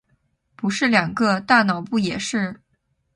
不是两个？大脑不也是？